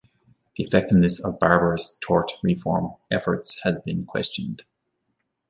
The effectiveness of Barbour's tort reform efforts has been questioned.